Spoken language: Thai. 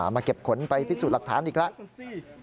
มาเก็บขนไปพิสูจน์หลักฐานอีกแล้ว